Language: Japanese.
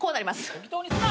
適当にすな。